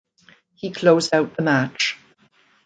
He closed out the match.